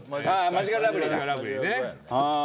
マヂカルラブリーね。